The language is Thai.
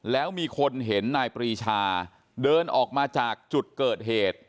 แล้วมีคนเห็นนายปรีชาเดินออกมาจากจุดเกิดเหตุ